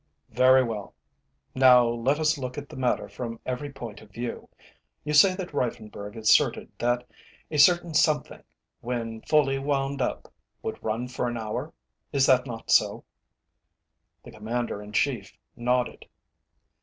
"Very well. Now let us look at the matter from every point of view. You say that Reiffenburg asserted that a certain something, when fully wound up, would run for an hour. Is that not so?" The Commander in Chief nodded.